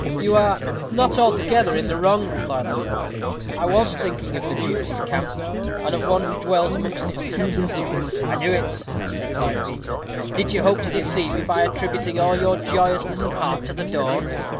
"You are not altogether in the wrong," replied Luke. "I was thinking of the gipsies' camp, and of one who dwells amongst its tents." "I knew it," replied Peter. "Did you hope to deceive me by attributing all your joyousness of heart to the dawn?